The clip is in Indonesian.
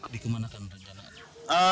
di kemana kan rencana